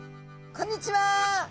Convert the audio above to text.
こんにちは！